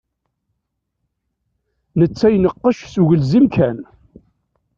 Netta ineqqec s ugelzim kan.